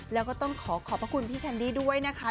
แล้วก็ต้องขอขอบพระคุณพี่แคนดี้ด้วยนะคะ